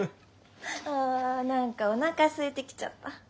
あ何かおなかすいてきちゃった。